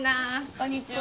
こんにちは。